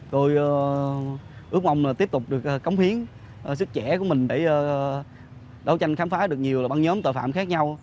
tôi ước mong là tiếp tục được cống hiến sức trẻ của mình để đấu tranh khám phá được nhiều băng nhóm tội phạm khác nhau